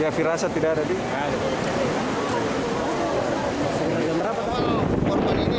ya firasat tidak ada di